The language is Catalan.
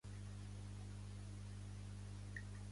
Haematopus - Viquipèdia, l'enciclopèdia lliure